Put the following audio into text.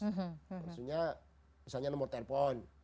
maksudnya misalnya nomor telepon